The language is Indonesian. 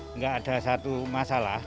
enggak ada satu masalah